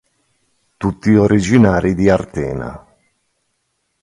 Tutti originari di Artena.